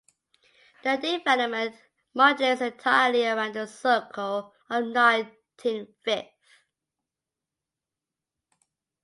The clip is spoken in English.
The development modulates entirely around the circle of nineteen fifths.